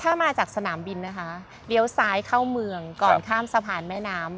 ถ้ามาจากสนามบินนะคะเลี้ยวซ้ายเข้าเมืองก่อนข้ามสะพานแม่น้ำ